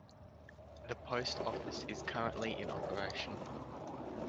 The post office is currently in operation.